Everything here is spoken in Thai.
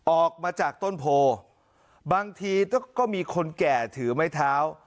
ออกมาจากต้นโพบางทีก็มีคนแก่ถือไม้เท้า